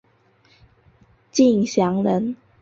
敬翔人。